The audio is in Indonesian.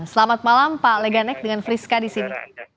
selamat malam pak leganek dengan friska di sini